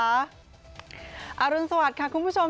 อารุณสวัสดิ์ค่ะคุณผู้ชม